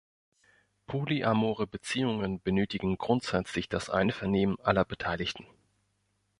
Polyamore Beziehungen benötigen grundsätzlich das Einvernehmen aller Beteiligten.